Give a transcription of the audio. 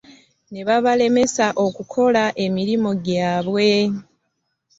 Ne babalemesa okukola emirimu gyabwe.